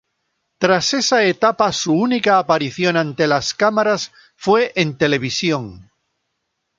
Tras esa etapa su única aparición ante las cámaras fue en televisión.